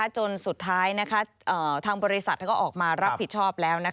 จนสุดท้ายทางบริษัทก็ออกมารับผิดชอบแล้ว